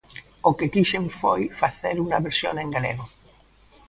O que quixen foi facer unha versión en galego.